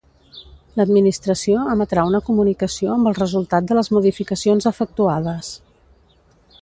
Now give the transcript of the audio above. L'Administració emetrà una comunicació amb el resultat de les modificacions efectuades.